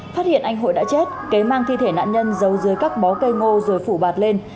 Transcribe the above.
phát hiện anh hội đã chết kế mang thi thể nạn nhân giấu dưới các bó cây ngô rồi phủ bạt lên